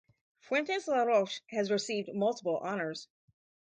Fuentes La Roche has received multiple honours.